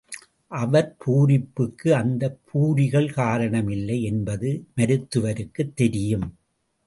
அவர் பூரிப்புக்கு அந்தப் பூரிகள் காரணம் இல்லை என்பது மருத்துவருக்குத் தெரியும்.